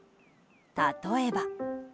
例えば。